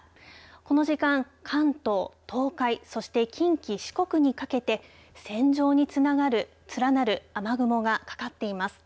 この時間、関東、東海そして近畿、四国にかけて線状に連なる雨雲がかかっています。